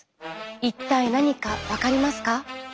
一体何か分かりますか？